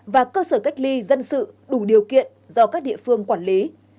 và cơ sở cách ly dân sự đủ điều kiện do các địa phương quản lý